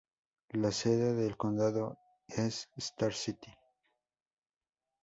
La sede del condado es Star City.